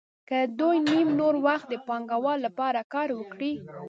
که دوی نیم نور وخت د پانګوال لپاره کار وکړي